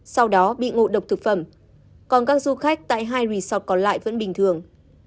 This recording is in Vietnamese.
sau đó bị ngộ độc thực phẩm còn các du khách tại hai resort còn lại vẫn bình thường